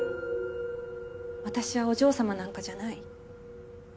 私はお嬢様なんかじゃない。